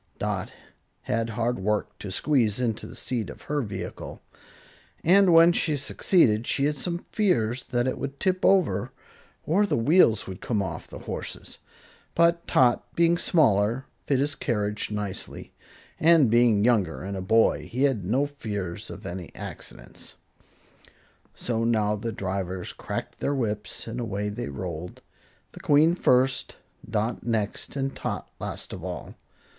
Dot had hard work to squeeze into the seat of her vehicle, and when she succeeded she had some fears that it would tip over, or the wheels would come off the horses. But Tot, being smaller, fit his carriage nicely, and being younger and a boy, he had no fears of any accidents. So now the drivers cracked their whips and away they rolled, the Queen first, Dot next and Tot last of all.